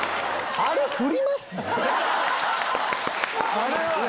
あれは。